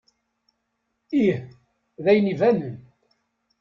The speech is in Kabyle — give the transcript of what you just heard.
Ih, d ayen ibanen.